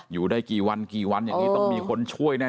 อยู่ได้กี่วันกี่วันอย่างนี้ต้องมีคนช่วยแน่